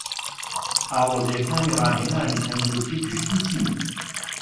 ئاڵۆزیەکانی ڕاهێنانی تەندروستی گشتی چین؟